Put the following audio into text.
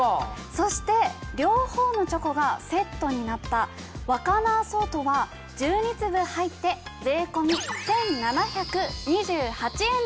そして両方のチョコがセットになった和奏アソートは１２粒入って税込み１７２８円です。